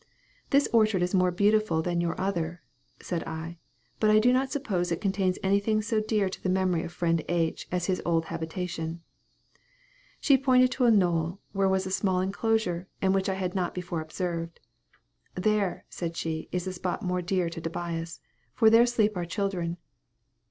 "This orchard is more beautiful than your other," said I; "but I do not suppose it contains anything so dear to the memory of friend H. as his old habitation." She pointed to a knoll, where was a small enclosure, and which I had not before observed. "There," said she, "is a spot more dear to Tobias; for there sleep our children."